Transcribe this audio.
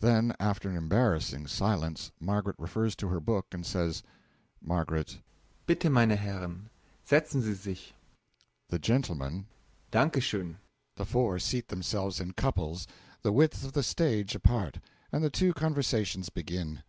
Then, after an embarrassing silence, MARGARET refers to her book and says:) M. Bitte, meine Herren, setzen Sie sich. THE GENTLEMEN. Danke schon.(The four seat themselves in couples, the width of the stage apart, and the two conversations begin.